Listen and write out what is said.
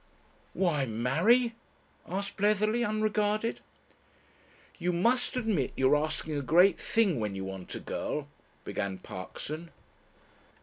"Why marry?" asked Bletherley, unregarded. "You must admit you are asking a great thing when you want a girl ..." began Parkson.